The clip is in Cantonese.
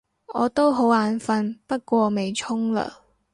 我都好眼瞓，不過未沖涼